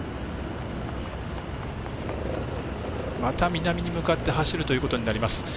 また南に向かって走るということになります。